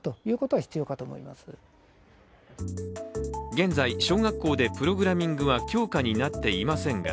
現在、小学校でプログラミングは教科になっていませんが